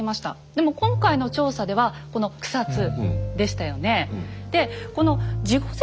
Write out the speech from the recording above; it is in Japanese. でも今回の調査ではこの草津でしたよね。